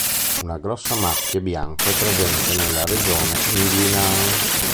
Una grossa macchia bianca è presente nella regione inguinale.